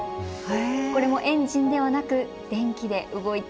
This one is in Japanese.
これもエンジンではなく電気で動いています。